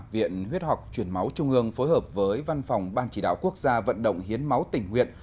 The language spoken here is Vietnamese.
viện huyết học truyền máu trung ương phối hợp với văn phòng ban chỉ đạo quốc gia vận động hiến máu tình nguyện